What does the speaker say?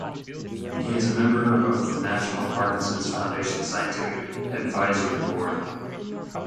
He is a member of the National Parkinson Foundation's Scientific Advisory Board.